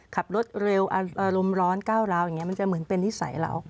ขับรถเร็วอารมณ์ร้อนก้าวร้าวอย่างนี้มันจะเหมือนเป็นนิสัยเรา